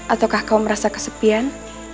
ataukah kau merasa kesepian